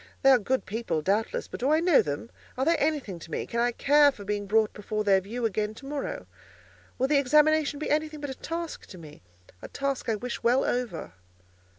They are good people, doubtless, but do I know them? Are they anything to me? Can I care for being brought before their view again to morrow? Will the examination be anything but a task to me—a task I wish well over?"